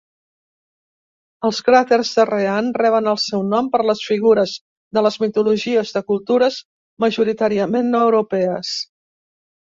Els cràters de Rhean reben el seu nom per les figures de les mitologies de cultures majoritàriament no europees.